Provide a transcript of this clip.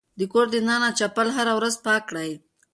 د کور دننه چپل هره ورځ پاک کړئ.